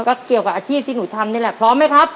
ก็เกี่ยวกับอาชีพที่หนูทำนี่แหละพร้อมไหมครับ